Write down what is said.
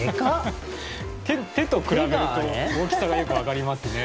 手と比べると大きさがよく分かりますね。